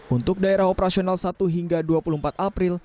untuk daerah operasional satu hingga dua puluh empat april